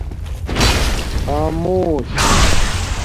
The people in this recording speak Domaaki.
خآمُوش